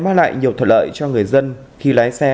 mang lại nhiều thuận lợi cho người dân khi lái xe